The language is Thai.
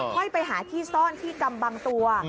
ค่อยไปหาที่ซ่อนที่กำบังตัว